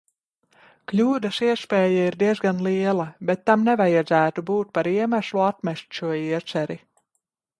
Kļūdas iespēja ir diezgan liela, bet tam nevajadzētu būt par iemeslu atmest šo ieceri.